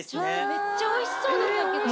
めっちゃおいしそうなんだけど。